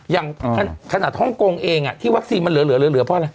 อย่างขนาดฮ่องกงเองที่วัคซีนมันเหลือเพราะอะไร